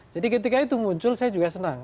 jadi ketika itu muncul saya juga senang